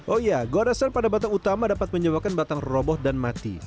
oh iya goresan pada batang utama dapat menyebabkan batang roboh dan mati